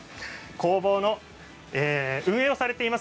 工房を運営されています